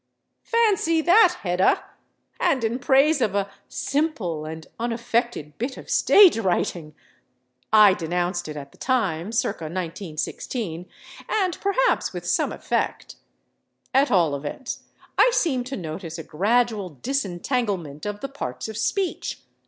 Fancy that, Hedda!—and in praise of a "simple and unaffected bit of stage writing"! I denounced it at the time, circa 1916, and perhaps with some effect. At all events, I seem to notice a gradual disentanglement of the parts of speech.